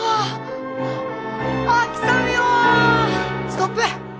ストップ！